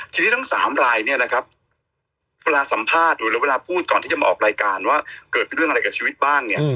ทีนี้ทั้ง๓รายเวลาสัมภาษณ์หรือพูดก่อนที่จะมาออกรายการเกิดเป็นเรื่องอะไรกับชีวิตบ้าง